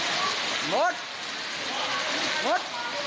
หมดหมด